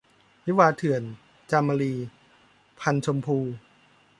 วิวาห์เถื่อน - จามรี พรรณชมพู